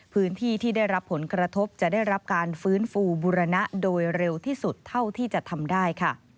พื้นที่ที่ได้รับผลกระทบจะได้รับการฟื้นฟูบุรณะโดยเร็วที่สุดเท่าที่จะทำได้ค่ะ